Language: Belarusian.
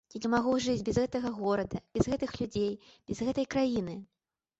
Я не магу жыць без гэтага горада, без гэтых людзей, без гэтай краіны.